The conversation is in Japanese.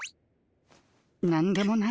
何でもない。